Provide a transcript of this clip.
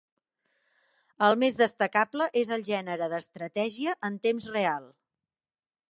El més destacable és el gènere d'estratègia en temps real.